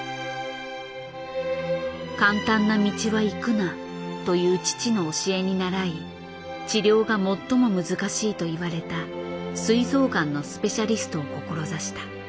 「簡単な道は行くな」という父の教えに倣い治療が最も難しいといわれたすい臓がんのスペシャリストを志した。